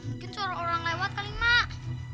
mungkin suara orang lewat kali mak